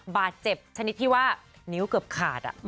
บาดเจ็บชนิดที่ว่านิ้วเกือบขาด